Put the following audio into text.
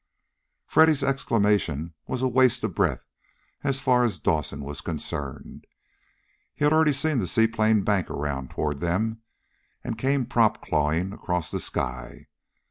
Freddy's exclamation was a waste of breath as far as Dawson was concerned. He had already seen the seaplane bank around toward them and came prop clawing across the sky.